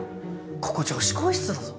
ここ女子更衣室だぞ。